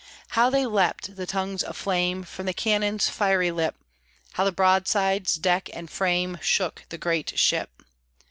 How they leapt, the tongues of flame, From the cannon's fiery lip! How the broadsides, deck and frame, Shook the great ship!